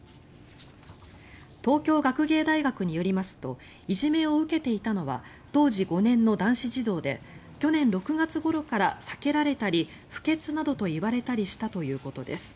東京学芸大学によりますといじめを受けていたのは当時５年の男子児童で去年６月ごろから避けられたり不潔などと言われたりしたということです。